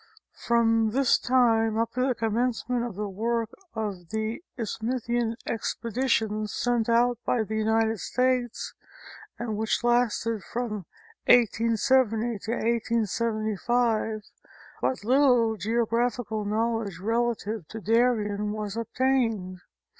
From this time up to the commencement of the work of the Isthmian expeditions sent out by the United States, and which lasted from 1870 to 1875, but little geographical knowledge relative to Darien was obtained.